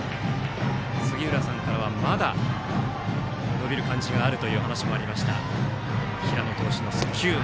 杉浦さんからは、まだ伸びる感じがあるというお話もありました平野投手の速球。